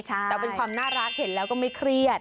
แต่เป็นความน่ารักเห็นแล้วก็ไม่เครียด